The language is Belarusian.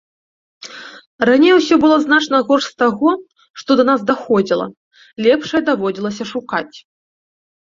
Раней усё было значна горш з таго, што да нас даходзіла, лепшае даводзілася шукаць.